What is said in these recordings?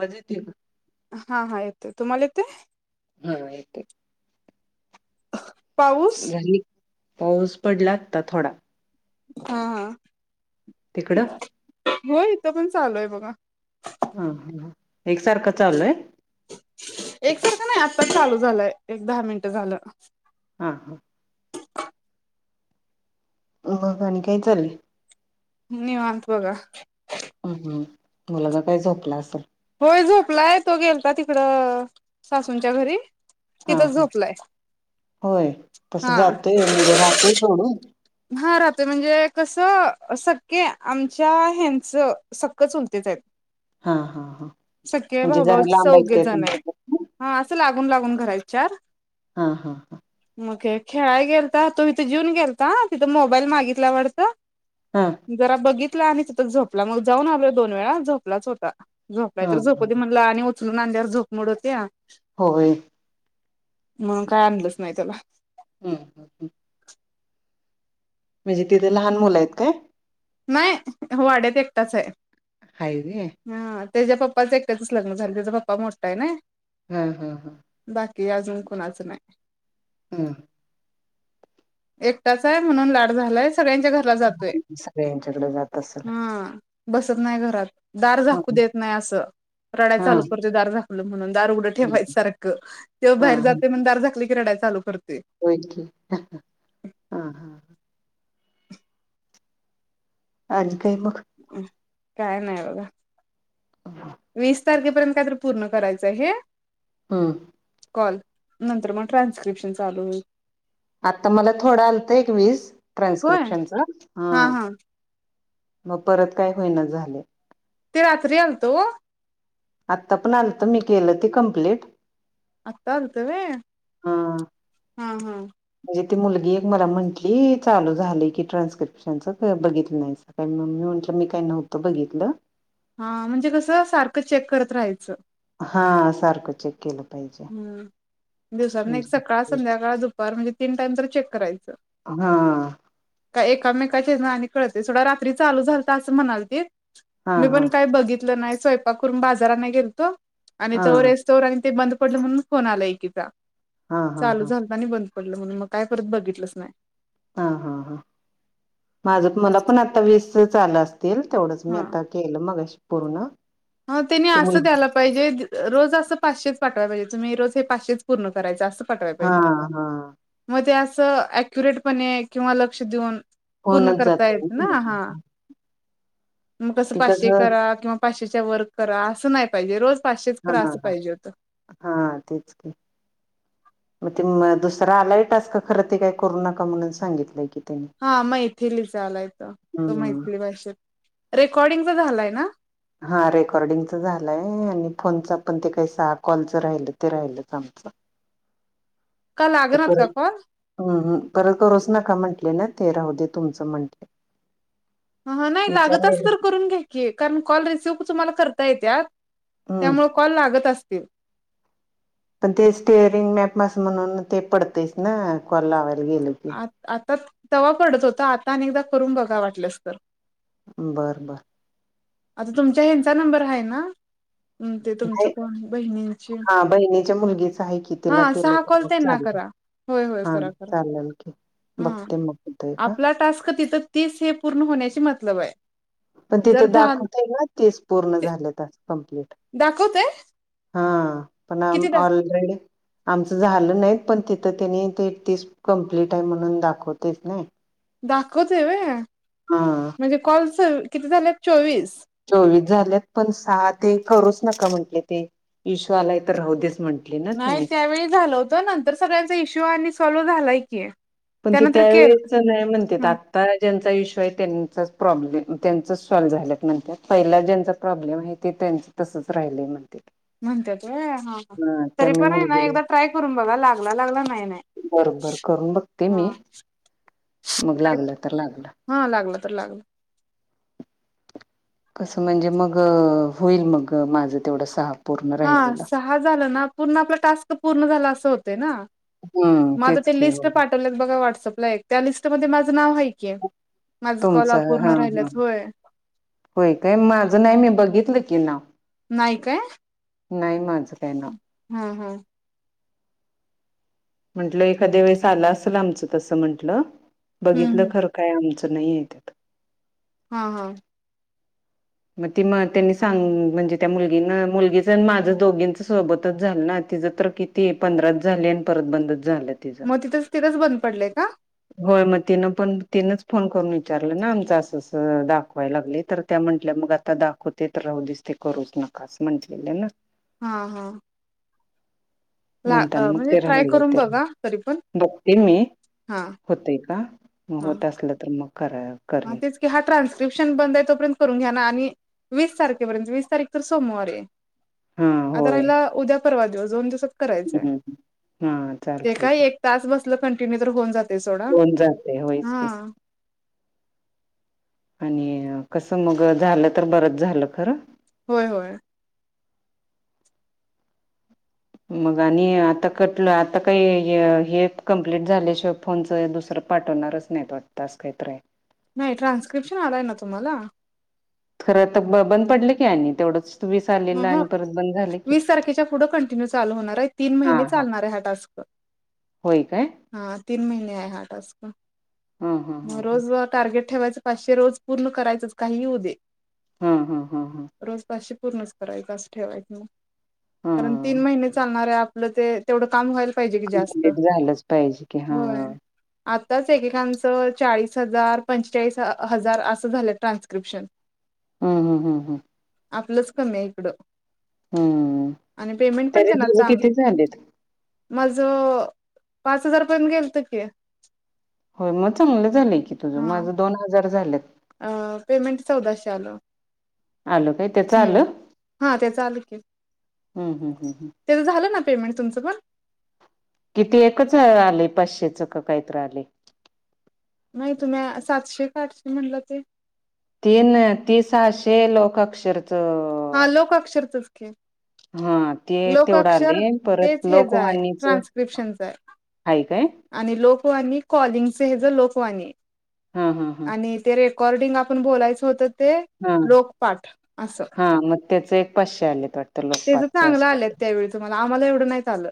मजेतीन हा हा येतोय तुम्हाला येतोय? हा हा येते. पाऊस झाली. पाऊस पडला आता थोडा हा हा तिकडं? होय इथं पण चालूय बघा ह ह एकसारखं चालूय. एक सारखा नाय आत्ताचं चालू झालंय एक दहा मिनिट झालं. हा हा मग आणि काय चालले. निवांत बघा हुं हुं मुलगा काय झोपला असल. होय झोपलाय तो गेलता तिकडं अ सासूंच्या घरी हा तिथंच हा झोपलाय होय तस हा जातोय म्हणजे राहतोय सोडून हा राहतोय म्हणजे कसं सक्के आमच्या ह्यांचं सक्क चुलतेच आहेत हा हा हा सक्क्या म्हणजे जरा भावभावाचे लांब आहेत चौघे काय जण आहेत. तुमच्यापासून? हा असं लागून लागून घर हाईत चार हा हा हा म काय खेळाय गेलता तो इथे जिवून गेलता तिथं मोबाईल मागितलाय वाडत हा. जरा बघितला आणि तिथंच झोपला मग जाऊन आलो दोन वेळा झोपलाच होता. झोपलाय हा तर हा झोपू दे म्हणलं आणि उचलून आणल्यावर झोप मोड होत्या होय. मंग काय आणलंच नाय त्याला हं [unintelligible] म्हणजे तिथ लहान मुलं आहेत काय? नाय वाड्यात एकटाच हाय. हाय व्हय. हा त्याच्या पप्पाचं एकट्याच लग्न झालं त्याचा पप्पा मोठा हाय नय हा हा हा बाकी अजून कुणाच नाय. हां एकटाच हाय म्हणून लाड झालाय सगळ्यांच्या घरला जातोय. सगळ्यांच्याकडे जात असेल हा बसत नाय घरात दार हा झाकू देत नाय असं रडाय हा चालू करतोय दार झाकलं म्हणून दार उघडं ठेवायचंसारखं त्यो हा बाहेर जातोय म्हणून दार झाकल रडायला चालू करतय. होय की हा हा आणि काय मग काय नाही बघा वीस तीस तारखेर्यंत काय तर पूर्ण करायचय हे हम कॉल नंतर मग ट्रान्स्क्रिप्शन चालू होईल. आता मला थोडं आलतं एक वीस होय ट्रान्स्क्रिप्शनचं हा हं हा मग परत काय होईना झालय ते रात्री आलतं ओ आत्ता पण आलतं मी केलं ते कंप्लिट आता आलतं व्हय. हा हा म्हणजे ती मुलगी एक मला म्हटली चालू झालय की ट्रान्स्क्रिप्शनच बघितलं नाहीसा पण मी म्हटलं मी काय नव्हतं बघितलं हा म्हणजे कसं सारखं चेक करत राहायचं हा सारखं चेक केलं पाहिजे हम् दिवसातनं एक म्हणजे सकाळ, संध्याकाळ, दुपार म्हणजे तीन टाइम तरी चेक करायचं. हा का एकामेकांच्या हेन आणि कळतंय सोडा रात्री चालू झालतं असं म्हणालतीत हा मी हा पण काय बघितलं नाही स्वयंपाक करून बाजार आणाय गेलतो आणि हा तवर तवर आणि ते बंद पडलं म्हणून फोन आला एकीचा हा हा हा चालू झालं आणि बंद पडलं म्हणून मग काय परत बघितलंच नाही. हा हा हां माझ मला पण आता वीसचं आलं असतील तेवढंच मी हा आता केलं मगाशी पूर्ण हा त्यांनी ते मुल असं द्यायल्यात पाहिजे रोज असं पाचशेच पाठवाय पाहिजे तुम्ही रोज हे पाचशेचं पूर्ण करायं असं पाठवाय हा पाहिजे हा मग ते असं अक्युरेटपणे किंवा लक्ष देऊन पूर्ण होऊनच करता जातय येत ना हा मग कसं पाचशे करा किंवा पाचशेच्या वर करा असं नाही पाहिजे रोज पाचशेच हा करा असं हा पाहिजे होतं हा तेच की मग ते दुसरा आलाय टास्क खरं ते काय करू नका म्हणून सांगितलंय की त्यांनी हा मैथिलीचा आलाय तो हम्म मैथिली भाषेत रेकॉर्डिंगचा झालाय ना? हा रेकॉर्डिंगच झालाय आणि फोनचा पण ते काय सहा कॉलच राहिलं ते राहिलंचं आमचं का ते लागनात का परत कॉल हम्म परत करूच नका म्हटले ना ते राहू दे तुमचं म्हंटले ह नाही लागत विचारले असलं तर करून घ्या की कारण कॉल रिसीव तुम्हाला करता येत्यात हम्म त्यामुळे कॉल लागत असतील. पण ते स्टिअरिंग मॅप मस म्हणून ते पडतेचं ना कॉल ल लावायला गेले की आ आता तवा पडत होतं आता आणि एकदा करून बघा वाटलस तर बरं बर आता तुमच्या ह्यांचा नंबर आहे ना ते तुमचं कोण बहिणींची हा बहिणीच्या मुलगीचा आहे की हा तीला केलं सहा तर कॉल मग त्यांना चालतंय करा होय होय हा करा करा चालंलं की हा बघते मग होतय का आपला टास्क तिथं तीस हे पूर्ण होण्याशी मतलब हाय पण तिथे दाखवतंय ना तीस पूर्ण ते झालंत कंप्लीट दाखवतय हा पण किती दा ऑलरेडी आमचं झालं नाहीत पण तिथं त्यांनी ते तीस कम्प्लीट आहे म्हणून दाखवतयचं नाही दाखवतंय व्हय हा म्हणजे कॉल किती झालेत चोवीस चोवीस झाल्यात पण सहा ते करूच नका म्हटले ते इशु आलाय तर राहुदेच म्हण नाही त्यावेळी झालं होतं नंतर सगळ्यांचा इश्यू आणि सॉल्व झालाय की पण ते त्यानंतर केल त्यावेळेसच नाही म्हणतेत हा आ. ज्यांचा इश्यू आहे त्यांचा प्रॉब्लेम त्यांचा सॉल्व झाल्या नंतर पहिला ज्यांचा प्रॉब्लेम आहे. ते त्यांचे तसंच राहिले म्हणतेात. म्हणतातय ह तरी मी पण आहे ना मुलगी एकदा ट्राय करून बघा लागला लागला नाही नाही. बरोबर करून बघते मी हा मग लागलं तर लागलं. हा लागलं तर लागलं. कसं म्हणजे मग होईल मग माझं तेवढं सहा पूर्ण राहिलेलं. पण आप ट पूण झा अस हो ना हम्म मग तेच आ की हो लि ब व्हटसअप त्या लिस्ट मध्ये माझं नाव आहे. माझ कला तुमचं पूर्ण हा हा. राहिलाच होय. होय काय माझं नाही मी बघितलं की नाव नाही काय? नाही माझ काही ना. हम हम्. म्हंटलं एखाद्या वेळेस आला असेल आमचं तसं म्हंटलं हम् बघितलं हम खर. काय आमचं नाही आहे त्यात हम हा. मग ती मग त्यांनी सांग म्हणजे त्या मुलगीना मुलगीचं माझं दोघींचं सोबतच झालं ना तिचं तर कि ते पंधराच झाली आणि परत बंदच झाले. मग तिथंच तिथंच बंद पडलंय का? होय मग तिनं पण तिनच फोन करून विचारलं ना आमचं असं दाखवायला लागली तर त्या म्ह मग आता दाखवते तर राहू दिस ते करूच नका असं म्हंटलेलं ना. हा हा. ला म्हणताना मग म्हणजे ते ट्राय राहिलं करून ते बघा तरी पण बघते मी हा होतय का मग होत असलं तर मग करा. ह करेन तेच की हा ट्रान्स्क्रिप्शन बंद आहे तोपर्यंत करून घ्या ना आणि वीस तारखेपर्यंत वीस तारीख तर सोमवार आहे. हा. होय ला उद्या परवा दिवस दोन दिवसात करायचय हम्म हा ते चालतय काय की एक त्याच बसलं कंटिन्यू तर होऊन जाते सोडा होऊन जातय होयच हा. की आणि कसं मग झालं तर बरंच झालं खरं. होय होय. मग आणि आता कटलं आता काही हे कमप्लीट झाल्याशिवाय फोनच दुसरं पाठवणारच नाही त वाट तास काहीत आहे. नाही ट्रान्स्क्रिप्शन आलाय ना तुम्हाला खरं तर ब बंद पडले की आहे तेवढंच. ह [unintelligible] वीस तारखेच्या पुढे कंटिन्यू चालू होणार आहे तीन हां महिने हां चालणार आहे हा टास्क. होय काय. हा तीन महिने आहे हाटास म हां हां हां हां रोजार टार्गेट ठेवायचं पाचे रोज पूर्ण करायचंच काही उदे हा हा हा हा. रोज ते पूर्णच करायच असं ठेवायचं म कारण तीन हां महिने चालणार आहे आपलं ते तेवढं काम व्हाल. पाहिजे की जास्त कंप्लीट झालंच पाहिजे की हां होय. आताच एकेकांचं चाळीस हजार पंचेचाळीस हजार असं झालं ट्रान्स्क्रिप्शन [unintelligible] हं हं हं हं. आपलंच कमी आहे इकडं. हम्म आणि पेमेंट पण तरी त्यांना तुझं चाल. किती झालेत? माझं पाच हजार पर्यंत गेल तर कि होय मग चांगलं झालेय की तुझं माझं दोन हजार झालंत. अ पेमेंट चौदाशे आलो. आलं काय त्याचं आलं? हम्म हा ते चालू क हम्म हम्म हम्म हम्म तें झालं ना पेमेंटुमचं पण किती एकच आले पाचशे च का काहीत रा आले. नाही तुम्ही सातशे का आठशे म्हणलं ते तीन तिसाशे लोक अक्षरच हा लोकाक्षर तुखे हा ते तेवढं आले परत तेच हेच आहे लकवाणीच ह ट्रान्स्क्रिप्शनच आहे काय आणि लोकवाणी कॉलिंगच हे ज लोकवाणी हा हा हा आणि ते रेकॉर्डिंग आपण बोलायचं होतं ते हा लोकपाठ असं हा मग त्याच एक पाचशे आले पट तेच चांगलं आलेत त्यावेळे तुम्हाला आम्हाला एवढ नाहीत आलं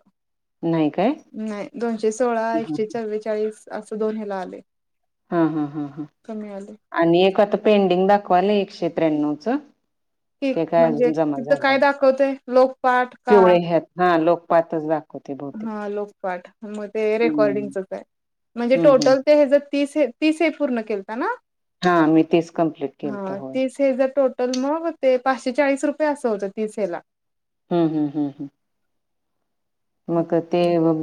नाही काय? नाही दोनशे सोळा एकशे चव्वेचाळीस असं दोन हला आले. हा हा ह ह कमी आले आणि एक आता पेंडिंग दाखवाल एकशे त्र्याण्णव चं ठी म्हणजे तिथ काय नाही. दाखवतेय लोकपाठ का? पिवळे ह्यात हा लोकपातचत. हा लोकपाठ मग ते हम्म रेकॉर्डिंगचच आहे म्हणजे हम्म हम्म टोटल ते ह जर तीस आहेत. तिस पूर्ण केलता ना हां मी तेच कमप्लीट केलं तर हा होय. तीस हे जर टोटल मग ते पाचशे चाळीस रुपये असं होतं तीस हेला हम् ह् ह् ह् मग ते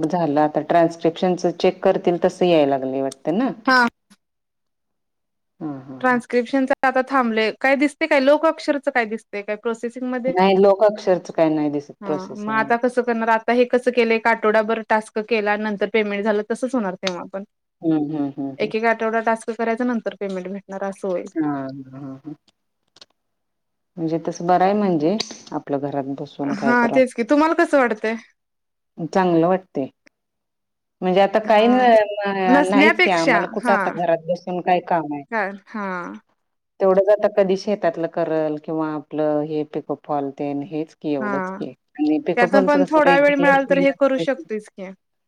झालं आता ट्रान्स्ट्रेपशनच चेक करतील तस याय लागले वाटते ना. हां हा हा हा ट्रान्स्क्रिप्शनच आता थांबय काय दिसते काय लोकक्षरच काय दिसते काय? प्रोसेसिंग मध्ये नाही लोक अक्षरच काय नाही दिसत मग प्रोसेसिंग आता मध्ये. तसं करणार आता हे कसं केलं काटोडाभर टास्क केला नंतर पेमेंट झालं तसंच होणार तेव्हा आपण हम्म हम् हम् हम् तेवढा टाक करायच नंतर पेमेंट भेणार असं होय. हा हा हा ह म्हणजे तसं बरं आहे म्हणजे आपल्या घरात बस हा तेच की तुम्हाला कसं वाटतय. चांगलं वाटते. म्हणजे आता काही हा ते नाहीच का नसण्यापेक्षा आम्हाला कुठं हा आता घरात बसून काय काम आहे. का हा तेवढं ज कधी शेतातलं करल किंवा आपलं हे पिक हॉलते हेच. क हा एवढंच की आणि त्यातन पिकपलच पण कस थोडा वेळ मिळाला तर हे करू शकतोयच की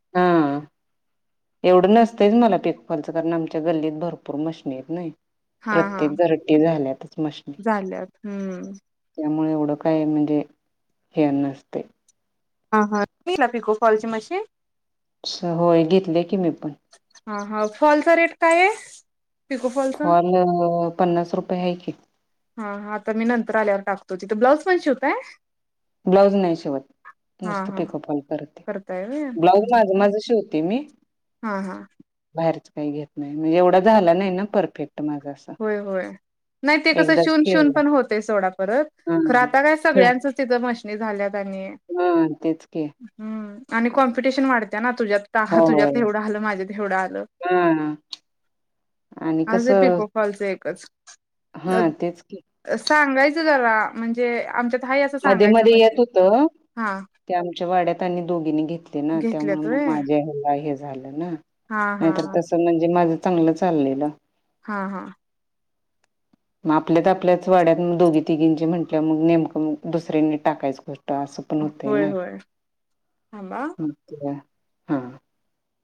हा एवढं नसतंच मला पिकपाचं कारण आमच्या गल्लीत भरपूर मशनीरी नाही हा हा प्रत्येक झर्टी झाल्यातच मशनी झाल्यात हम्म त्यामुळे एवढं काय म्हणजे हे नसते. हां हाला पिको फॉलचे मश स होय घेतले की मी पण हा हा फॉलचा रेट काय आहे. पिकोफल फॉल पन्नास रुपये ह्या की हा हा आता मी नंतर आल्यावर टाकतो तिथ ब्लाऊज पणशी होतय. ब्लाऊज नाही शिवत हा नुसतं हा पिको फॉल करत ते करताय व्हय ब्लाऊज माझं माझं शिवत तम् [unintelligible] हा हा बाहेरच काही घेत नाही म्हणजे एवढा झाला नाही ना परफेक्ट माझा होय होय नाही ते कसं एकदाच शिवून शिवून केलाय पण होते सोडा परत हा खरं आता काय हा सगळ्यांचंच तिथं मशनी झाल्यात आणि हा तेच कि हम्म आणि कॉम्पिटिशन वाढत्या ना तुझ्यात हा होय तुझ्यात एवढं आलं माझ्यात एवढं आलं हा आणि आज कसं पिको फॉलच एकच हा तेच सांगायचं जरा म्हणजे आमच्यात हा असं मध्ये सांगायचं मध्ये येत मशीन होत हा ते आमच्या वाड्यात आणि दोघीनी घेतले ना घेतल्यात त्यामुळं व्हय माझ्या ह्याला हे झालं ना. हा हा नाहीतर तसं म्हणजे माझं चांगलं चाललेलं. हा हा मग आपल्यात आपल्याच वाड्यात मग दोघी तिघींचे म्हटलं मग नेमकं मग दुसऱ्यांनी टाकायचं ते असं पण होतय होय ना होय थांबा हा